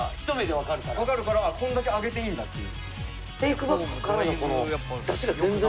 わかるからこれだけ上げていいんだっていう。